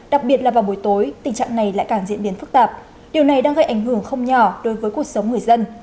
đặc biệt là vào buổi tối tình trạng này lại càng diễn biến phức tạp điều này đang gây ảnh hưởng không nhỏ đối với cuộc sống người dân